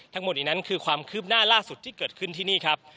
ทั้งหมดนี้นั้นคือความคืบหน้าล่าสุดที่เกิดขึ้นที่นี่ครับ